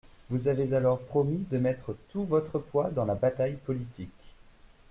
Vous avez alors promis de mettre tout votre poids dans la bataille politique.